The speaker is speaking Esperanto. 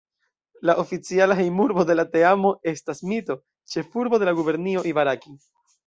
La oficiala hejmurbo de la teamo estas Mito, ĉefurbo de la gubernio Ibaraki.